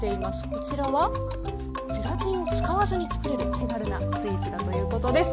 こちらはゼラチンを使わずに作れる手軽なスイーツだということです。